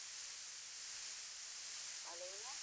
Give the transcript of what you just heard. Waliendelea kupingana na serikali na mwaka ule wa